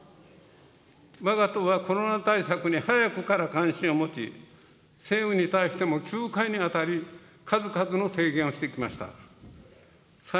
わが党はコロナ対策に早くから関心を持ち、政府に対しても９回にわたり、数々の提言をしてきました。